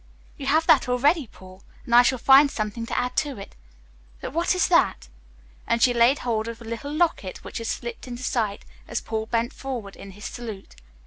"You have that already, Paul, and I shall find something to add to it. But what is that?" And she laid hold of a little locket which had slipped into sight as Paul bent forward in his salute.